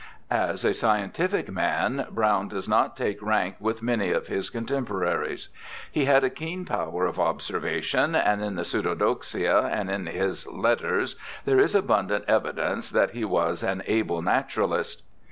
As a scientific man Browne does not take rank with many of his contemporaries. He had a keen power of observation, and in the Pseudodoxia and in his letters there is abundant evidence that he was an able naturahst.